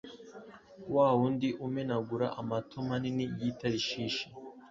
wa wundi umenagura amato manini y’i Tarishishi